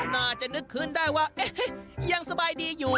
น่าจะนึกคืนได้ว่าเอ๊ะยังสบายดีอยู่